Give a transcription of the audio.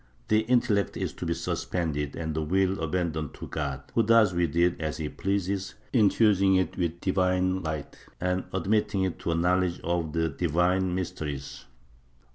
The intellect is to be suspended and the will abandoned to God, who does with it as he pleases, infusing it with divine light and admitting it to a knowledge of the divine mysteries.